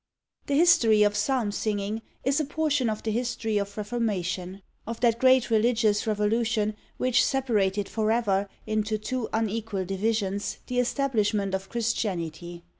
The history of Psalm singing is a portion of the history of the Reformation, of that great religious revolution which separated for ever, into two unequal divisions, the establishment of Christianity.